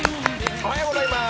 おはようございます。